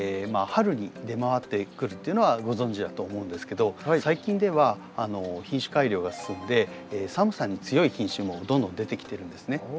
春に出回ってくるっていうのはご存じだと思うんですけど最近では品種改良が進んで寒さに強い品種もどんどん出てきてるんですね。